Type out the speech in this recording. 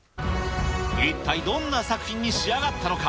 一体どんな作品に仕上がったのか。